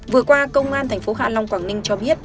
vừa qua công an tp hạ long quảng ninh cho biết